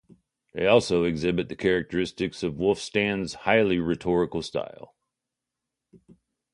They also exhibit the characteristics of Wulfstan's highly rhetorical style.